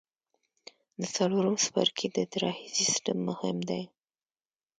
د څلورم څپرکي د اطراحي سیستم مهم دی.